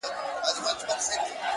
زما د زنده گۍ له هر يو درده سره مله وه-